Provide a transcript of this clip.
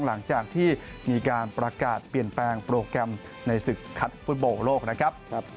หลังจากที่มีการประกาศเปลี่ยนแปลงโปรแกรมในศึกคัดฟุตบอลโลกนะครับ